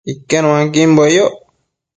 Iquenuanquimbue yoc